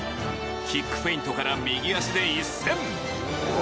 キックフェイントから右足で一閃。